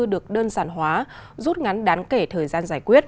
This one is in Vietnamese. được đơn sản hóa rút ngắn đáng kể thời gian